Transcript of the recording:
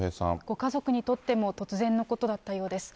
ご家族にとっても突然のことだったようです。